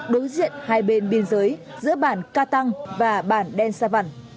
đối diện hai bên biên giới giữa bản ca tăng và bản đen sa văn